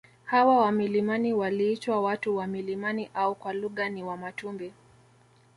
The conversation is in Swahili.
Hawa wa milimani waliitwa watu wa milimani au kwa lugha ni wamatumbi